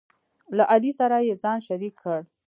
له علي سره یې ځان شریک کړ،